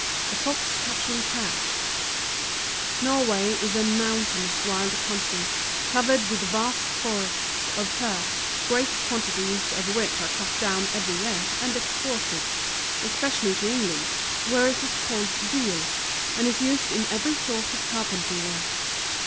The Fox catching Crabs . Norway is a mountainous wild country, co¬ vered with vast forests of fir; great quantities of which are cut down every year, and exported, 1G NORWAY. especially to England, where it is called dealt and is used in every sort of carpentry work.